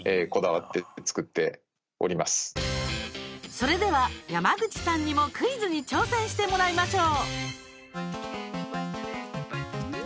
それでは、山口さんにもクイズに挑戦してもらいましょう。